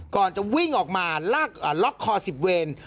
ก่อนจะวิ่งออกมาล็อกคอ๑๐เวร